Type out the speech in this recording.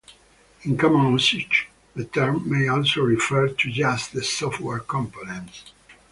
In common usage, the term may also refer to just the software components.